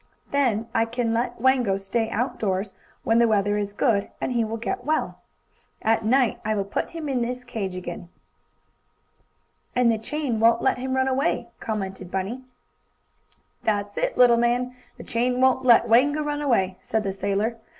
Then I can let Wango stay outdoors when the weather is good, and he will get well. At night I will put him in his cage again." "And the chain won't let him run away," commented Bunny. "That's it, little man, the chain won't let Wango run away," said the sailor.